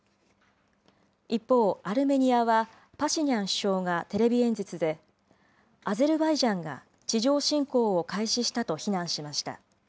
一方、アルメニアは、パシニャン首相がテレビ演説で、アゼルバイジャンが地上侵攻を開始したと非難しました。